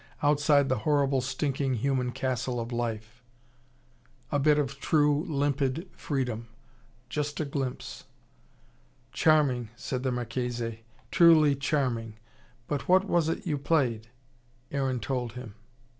Outside the horrible, stinking human castle Of life. A bit of true, limpid freedom. Just a glimpse. "Charming!" said the Marchese. "Truly charming! But what was it you played?" Aaron told him.